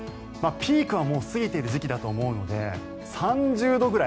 ピークはもう過ぎている時期だと思うので３０度ぐらい。